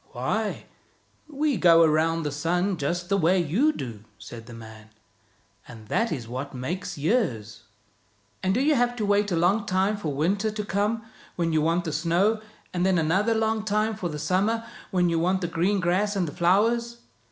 " Why, we go around the sun just the way you do," said the man, "and that is what makes years." 69 THE BOY WHO WENT OUT OF THE WORLD " And do you have to wait a long time for winter to come when you want the snow, and then another long time for the summer when you want the green grass and the flowers?